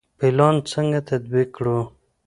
پلان څنګه تطبیق کړو؟